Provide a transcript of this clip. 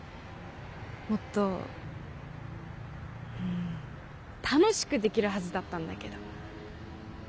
もっと楽しくできるはずだったんだけど。